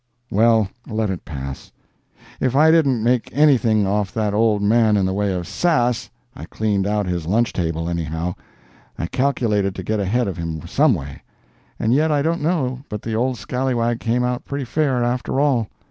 Well, let it pass. If I didn't make anything off that old man in the way of "sass," I cleaned out his lunch table, anyhow. I calculated to get ahead of him some way. And yet I don't know but the old scallawag came out pretty fair, after all.